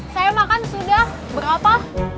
saya makan sudah berapa